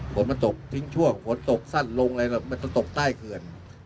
ฝนมันตกทิ้งชั่วฝนตกสั้นลงตกใต้เกิน